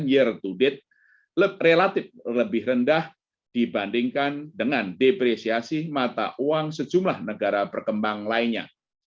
year to date relatif lebih rendah dibandingkan dengan depresiasi mata uang sejumlah negara berkembang lainnya